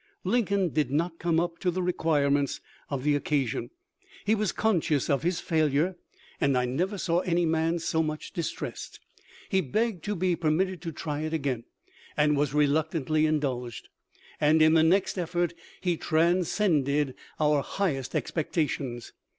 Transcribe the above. Lincoln did not come up to the requirements of the occasion. He was conscious of his failure, and I never saw THE LIFE OF LINCOLN. 199 any man so much distressed. He begged to be per mitted to try it again, and was reluctantly indulged; and in the next effort he transcended our highest expectations.